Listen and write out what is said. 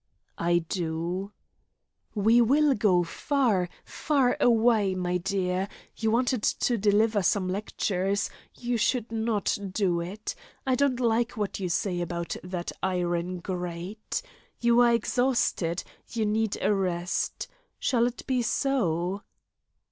"I do." "We will go far, far away, my dear. You wanted to deliver some lectures. You should not do it. I don't like what you say about that iron grate. You are exhausted, you need a rest. Shall it be so?"